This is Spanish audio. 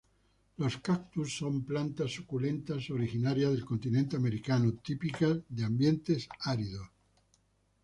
Los cactus son plantas suculentas originarias del continente americano, típicas de ambientes áridos.